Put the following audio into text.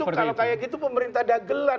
kalau kayak gitu pemerintah dagelan